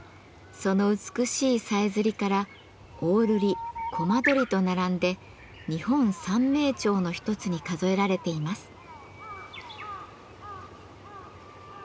その美しいさえずりからオオルリコマドリと並んで日本三鳴鳥の一つに数えられています。